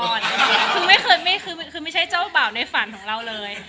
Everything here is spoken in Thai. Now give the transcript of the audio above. ซึ่งไม่ใช่เจ้าเบาในฝันของเราเลย